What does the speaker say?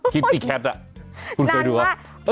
คลิปที่แคทคุณเคยดูครับ